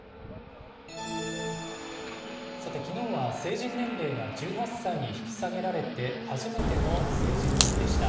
さてきのうは成人年齢が１８歳に引き下げられて初めての成人の日でした。